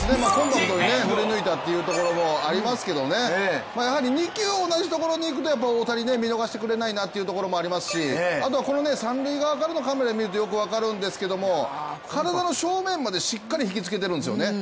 振り抜いたというところありますけどやはり２球同じところにいくと大谷、見逃してくれないなというところもありますし、あとは三塁側からのカメラを見ると分かるんですけど体の正面まで、しっかり引きつけてるんですよね。